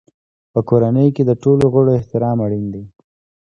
په کورنۍ کې د ټولو غړو احترام اړین دی.